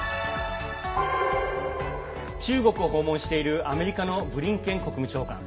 中国を訪問しているアメリカのブリンケン国務長官。